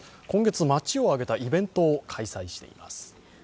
今月街を挙げたイベントを開催しています。